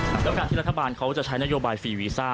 แล้วก็การที่รัฐบาลเขาจะใช้นโยบายฟรีวีซ่า